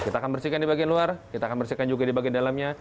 kita akan bersihkan di bagian luar kita akan bersihkan juga di bagian dalamnya